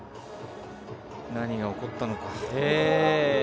何が起こったのか。